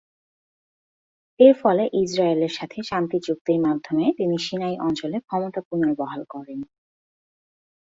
এর ফলে ইসরায়েলের সাথে শান্তিচুক্তির মাধ্যমে তিনি সিনাই অঞ্চলে ক্ষমতা পুনর্বহাল করেন।